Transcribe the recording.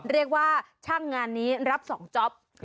เรียกว่าช่างงานนี้รับ๒จ๊อป